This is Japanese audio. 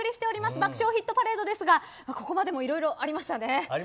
「爆笑ヒットパレード」ですがここまでもいろいろありましたね。